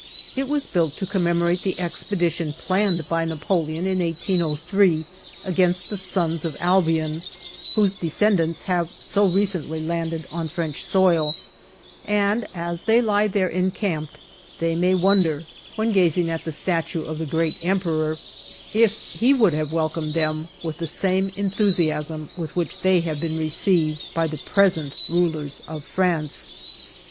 It was built to commemorate the expedition planned by Napoleon in 1803 against the sons of Albion, whose descendants have so recently landed on French soil, and as they lie there encamped, they may wonder, when gazing at the statue of the great Emperor, if he would have welcomed them with the same enthusiasm with which they have been received by the present rulers of France.